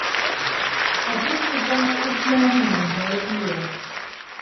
Ɔtɛ́t tipá úpíányinan muɛ́t nuya.